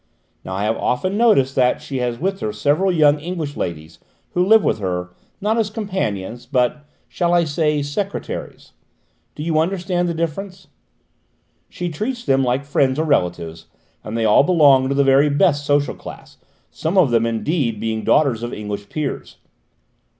Now I have often noticed that she has with her several young English ladies who live with her, not as companions, but, shall I say, secretaries? Do you understand the difference? She treats them like friends or relatives, and they all belong to the very best social class, some of them indeed being daughters of English peers.